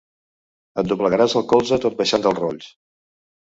Et doblegaràs el colze tot baixant del Rolls.